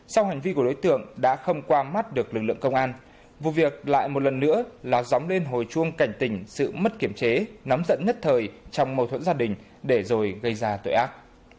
sau hành vi của đối tượng đã không qua mắt được lực lượng công an vụ việc lại một lần nữa là dóng lên hồi chuông cảnh tình sự mất kiểm chế nắm dẫn nhất thời trong mâu thuẫn gia đình để rồi gây ra tội ác